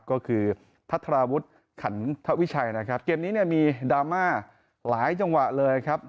ก็คือทัศนาวุทธ์ขันวิชัยนะครับเกมนี้มีดาร์มาหลายจังหวะเลยครับ